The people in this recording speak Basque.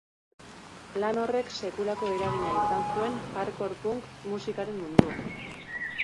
Lan horrek sekulako eragina izan zuen hardcore punk musikaren munduan.